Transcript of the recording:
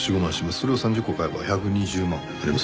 それを３０個買えば１２０万になりますね。